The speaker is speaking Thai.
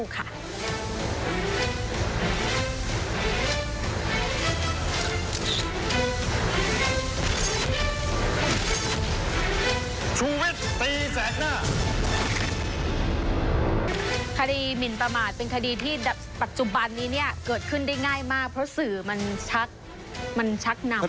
คดีหมินประมาทเป็นคดีที่ปัจจุบันนี้เนี่ยเกิดขึ้นได้ง่ายมากเพราะสื่อมันชักมันชักนำ